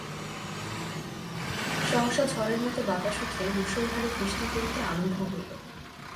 সহসা ঝড়ের মতো বাতাস উঠিয়া মুষলধারে বৃষ্টি পড়িতে আরম্ভ হইল।